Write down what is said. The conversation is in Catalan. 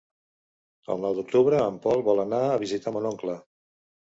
El nou d'octubre en Pol vol anar a visitar mon oncle.